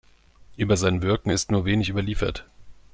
Über sein Wirken ist nur wenig überliefert.